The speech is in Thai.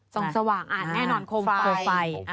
สองสว่างไฟคลมไฟ